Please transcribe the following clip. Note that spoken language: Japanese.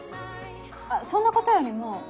あっそんなことよりも。